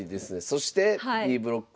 そしてＢブロック。